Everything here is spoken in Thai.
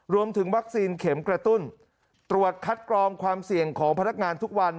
รวมถึงวัคซีนเข็มกระตุ้นตรวจคัดกรองความเสี่ยงของพนักงานทุกวัน